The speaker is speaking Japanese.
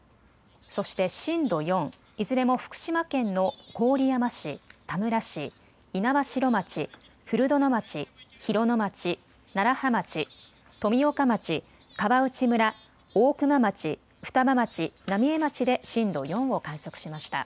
そして震度４、いずれも福島県の郡山市、田村市、猪苗代町、古殿町、広野町、楢葉町、富岡町、川内村、大熊町、双葉町、浪江町で震度４を観測しました。